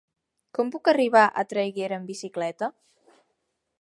Com puc arribar a Traiguera amb bicicleta?